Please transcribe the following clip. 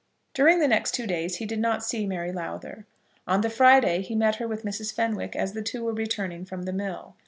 During the next two days he did not see Mary Lowther. On the Friday he met her with Mrs. Fenwick as the two were returning from the mill.